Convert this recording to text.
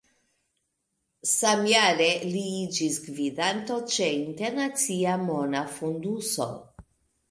Samjare li iĝis gvidanto ĉe Internacia Mona Fonduso.